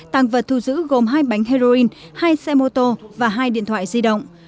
tăng vật thu giữ gồm hai bánh heroin hai xe mô tô và hai điện thoại di động